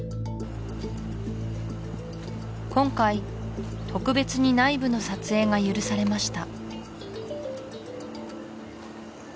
今回特別に内部の撮影が許されました